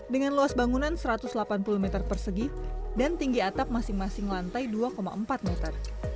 dengan luas bangunan satu ratus delapan puluh meter persegi dan tinggi atap masing masing lantai dua empat meter